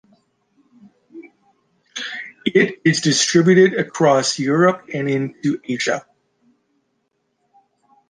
It is distributed across Europe and into Asia.